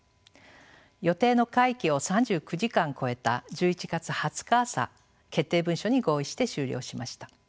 予定の会期を３９時間超えた１１月２０日朝決定文書に合意して終了しました。